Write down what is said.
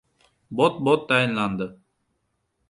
Bot-bot tayinladi: